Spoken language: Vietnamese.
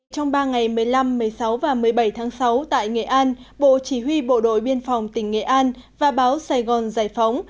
trong ba ngày một mươi năm một mươi sáu và một mươi bảy tháng sáu tại nghệ an bộ chỉ huy bộ đội biên phòng tỉnh nghệ an và báo sài gòn giải phóng